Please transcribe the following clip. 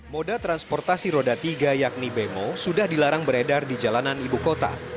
moda transportasi roda tiga yakni bemo sudah dilarang beredar di jalanan ibu kota